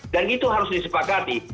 dan itu harus disepakati